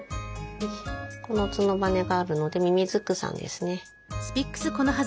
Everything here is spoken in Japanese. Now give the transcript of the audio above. この角羽があるのでミミズクさんですね。